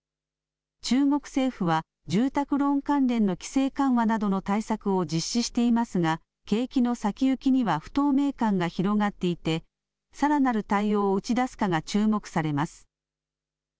中国政府は住宅ローン関連の規制緩和などの対策を実施していますが景気の先行きには不透明感が広がっていてさらなる対応を打ち出すかが注目されます。